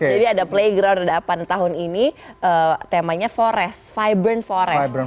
jadi ada playground ada apaan tahun ini temanya forest vibrant forest